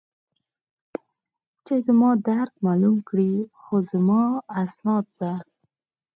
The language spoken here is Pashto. چې زما درک معلوم کړي، خو زما اسناد به.